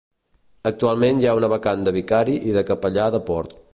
Actualment hi ha una vacant de vicari i de capellà de port.